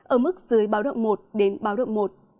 ở mức dưới báo động một đến báo động một